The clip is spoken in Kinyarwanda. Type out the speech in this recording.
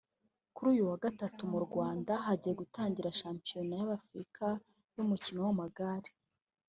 Kuri uyu wa Gatatu mu Rwanda hagiye gutangira Shampiona y’Afurka y’umukino w’amagare